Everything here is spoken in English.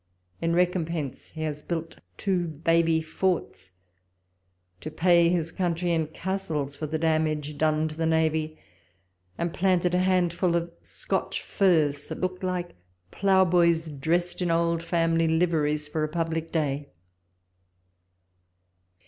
In recompense he has built two baby forts, to pay his country in castles for the damage done t<^ the navy, and planted a handful of Scotch firs, tiiat look like ploughboys dressed in old family liveries for a public day.